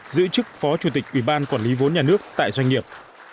giữ chức phó chủ tịch ủy ban quản lý vốn nhà nước tại doanh nghiệp